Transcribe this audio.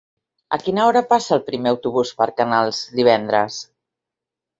A quina hora passa el primer autobús per Canals divendres?